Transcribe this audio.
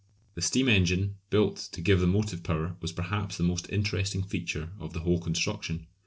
The steam engine built to give the motive power was perhaps the most interesting feature of the whole construction.